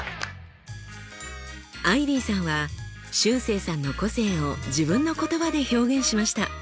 アイビーさんはしゅうせいさんの個性を自分の言葉で表現しました。